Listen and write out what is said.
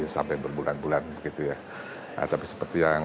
sampai berbulan bulan gitu ya